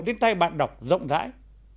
đến tay bạn đọc rộng rãi